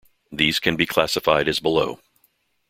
These can be classified as below.